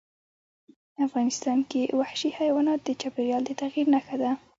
افغانستان کې وحشي حیوانات د چاپېریال د تغیر نښه ده.